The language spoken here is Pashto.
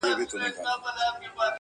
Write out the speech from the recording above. دا سرګم د خوږې میني شیرین ساز دی,